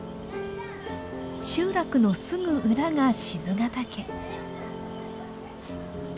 集落のすぐ裏が賤ヶ岳。